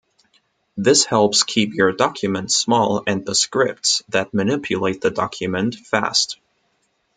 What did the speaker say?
This helps keep your documents small and the scripts that manipulate the document fast.